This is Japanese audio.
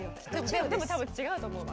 でもでも多分違うと思うわ。